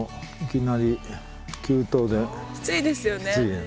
きついですよね。